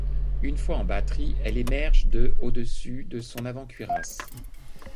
Une fois en batterie, elle émerge de au-dessus de son avant-cuirasse.